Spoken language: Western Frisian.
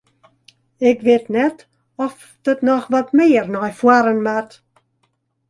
Ik wit net oft it noch wat mear nei foaren moat?